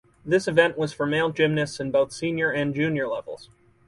This event was for male gymnasts in both senior and junior levels.